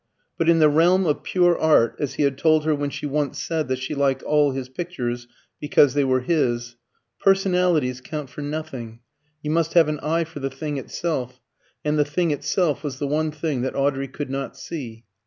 But in the realm of pure art, as he had told her when she once said that she liked all his pictures because they were his, personalities count for nothing; you must have an eye for the thing itself, and the thing itself was the one thing that Audrey could not see.